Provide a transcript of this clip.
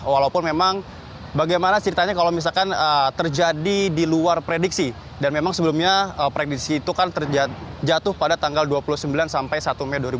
walaupun memang bagaimana ceritanya kalau misalkan terjadi di luar prediksi dan memang sebelumnya prediksi itu kan terjatuh pada tanggal dua puluh sembilan sampai satu mei dua ribu dua puluh